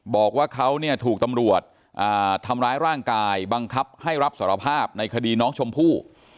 บอกว่าเขาเนี่ยถูกตำรวจทำร้ายร่างกายบังคับให้รับสารภาพในคดีน้องชมพู่